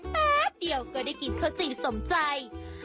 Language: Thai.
แป๊บเดียวก็ได้กินข้าวจี่สมใจ